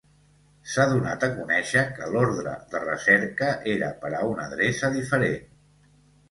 S'ha donat a conèixer que l'ordre de recerca era per a una adreça diferent.